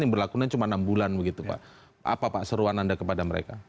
yang berlakunya cuma enam bulan begitu pak apa pak seruan anda kepada mereka